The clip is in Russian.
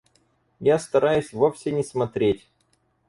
Я стараюсь вовсе не смотреть.